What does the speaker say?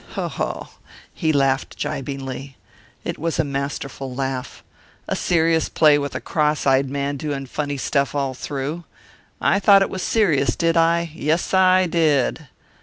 Ho, ho!" He laughed gibingly. It was a masterful laugh. "A serious play with a cross eyed man doing funny stuff all through. I thought it was serious, did I? Yes, I did!"